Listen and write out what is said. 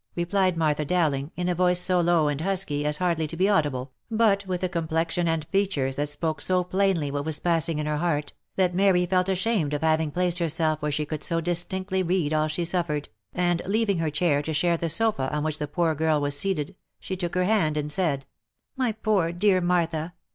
replied Martha Dowling, in a voice so low and husky, as hardly to be audible, but with a complexion and features that spoke so plainly what was passing in her heart, that Mary felt ashamed of having placed herself where she could so distinctly read all she suffered, and leaving her chair to share the sofa on which the poor girl was seated, she took her hand and said, " My poor dear Martha